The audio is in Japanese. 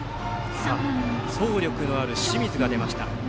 走力のある清水が出ました。